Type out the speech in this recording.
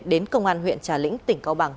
đến công an huyện trà lĩnh tỉnh cao bằng